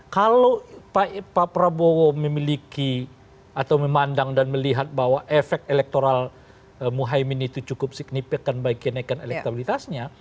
kalau pak prabowo memiliki atau memandang dan melihat bahwa efek elektoral muhaymin itu cukup signifikan bagi kenaikan elektabilitasnya